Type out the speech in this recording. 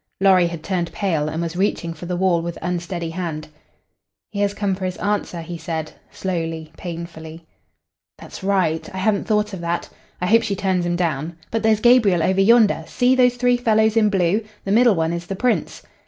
Lorry had turned pale and was reaching for the wall with unsteady hand. "He has come for his answer," he said, slowly, painfully. "That's right! I hadn't thought of that. I hope she turns him down. But there's Gabriel over yonder. See those three fellows in blue? The middle one is the prince."